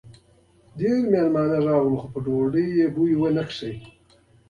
ډېر مېلمانه راغلل؛ په ډوډۍ مو ای و بوی و نه شو.